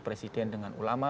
presiden dengan ulama